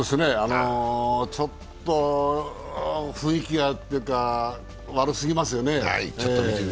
ちょっと雰囲気が悪すぎますよね。